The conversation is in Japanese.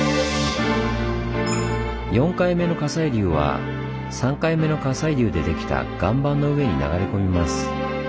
４回目の火砕流は３回目の火砕流でできた岩盤の上に流れ込みます。